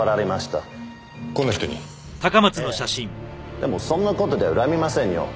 でもそんな事で恨みませんよ。